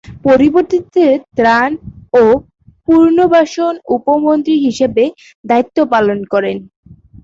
পরবর্তীতে ত্রাণ ও পুনর্বাসন উপমন্ত্রী হিসেবে দায়িত্ব পালন করেন।